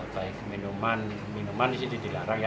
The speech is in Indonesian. baik minuman minuman disini dilarang ya